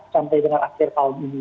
sampai dengan akhir tahun ini